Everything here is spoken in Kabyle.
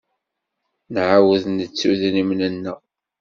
Nɛawed nettu idrimen-nneɣ.